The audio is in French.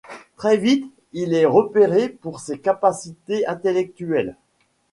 Très vite, il est repéré pour ses capacités intellectuelles.